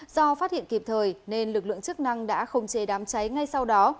do phát hiện kịp thời nên lực lượng chức năng đã khống chế đám cháy ngay sau đó